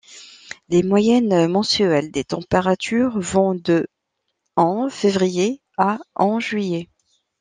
Les moyennes mensuelles des températures vont de en février à en juillet.